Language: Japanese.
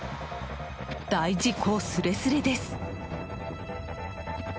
大事故すれすれです。